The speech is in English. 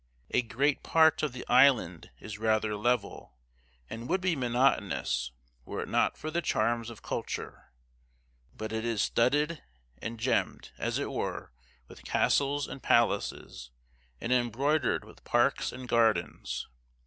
A great part of the island is rather level, and would be monotonous, were it not for the charms of culture; but it is studded and gemmed, as it were, with castles and palaces, and embroidered with parks and gardens.